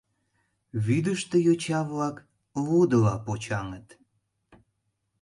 Вӱдыштӧ йоча-влак лудыла почаҥыт.